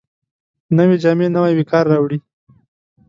نوې جامې نوی وقار راوړي